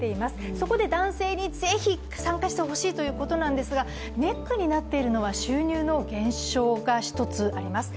そこで男性にぜひ参加してほしいということなんですが、ネックになっているのは収入の減収が一つあります。